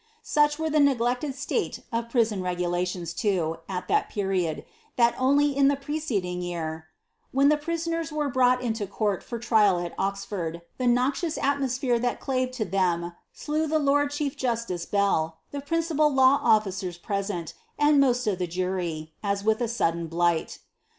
Such were the neglected state of prison regulations, too, at that period, that only in the preceding year, " when the prisoners were brought into court for trial at Oxford, the noxious atmosphere that clave \o them slew the lord chief justice Bell, the principal law officers pre lenL, and most of the jury, as with a sudden blight."